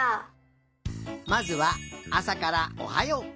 まずはあさからおはよう。